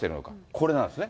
これなんですね。